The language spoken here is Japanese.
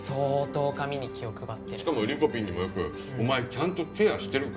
しかもリコピンにもよく「お前ちゃんとケアしてるか？」